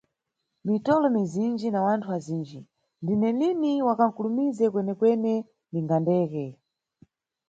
Mitolo mizinji na wanthu azinji, ndine lini wa kankulumize kwene-kwene ninga ndeke.